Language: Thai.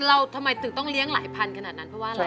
ทำไมถึงต้องเลี้ยงหลายพันขนาดนั้นเพราะว่าอะไร